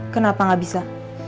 kenapa enggak bisa